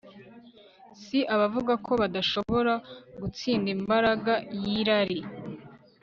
Si abavuga ko badashobora gutsinda imbaraga yirari